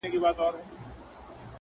د پریان لوري ـ د هرات او ګندارا لوري ـ